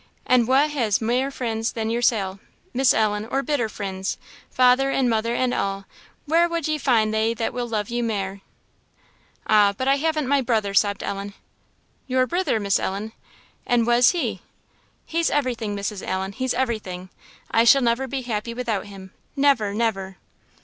and wha has mair frinds than yoursel,' Miss Ellen, or better frinds? father and mother and a'; where wad ye find thae that will love you mair?" "Ah , but I haven't my brother!" sobbed Ellen. "Your brither, Miss Ellen? An' wa's he?" "He's everything, Mrs. Allen! he's everything! I shall never be happy without him! never! never!"